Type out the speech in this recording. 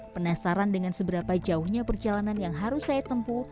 penasaran dengan seberapa jauhnya perjalanan yang harus saya tempuh